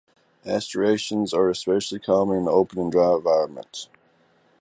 Asteraceans are especially common in open and dry environments.